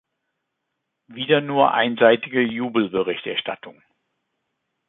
Wieder nur einseitige Jubel-Berichterstattung.